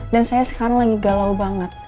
dan saya sekarang lagi galau banget